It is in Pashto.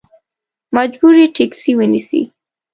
مجبور یې ټیکسي ونیسې.